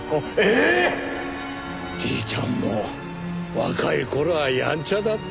じいちゃんも若い頃はやんちゃだった。